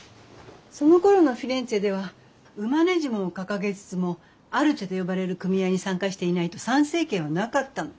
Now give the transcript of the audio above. そのころのフィレンツェではウマネジモを掲げつつもアルテと呼ばれる組合に参加していないと参政権はなかったの。